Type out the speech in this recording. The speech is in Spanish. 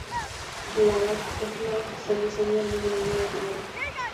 Labatt es la cervecería más grande de Canadá.